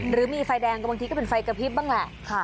หรือมีไฟแดงก็บางทีก็เป็นไฟกระพริบบ้างแหละ